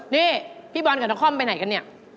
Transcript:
นี่พี่บอลกับท่องค่อมไปไหนกันเนี่ย